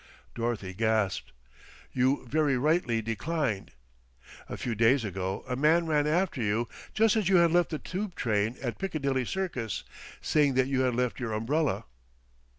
Dorothy gasped. "You very rightly declined. A few days ago a man ran after you just as you had left the Tube train at Piccadilly Circus, saying that you had left your umbrella."